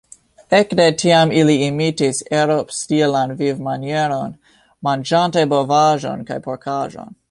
Ekde tiam ili imitis eŭropstilan vivmanieron, manĝante bovaĵon kaj porkaĵon.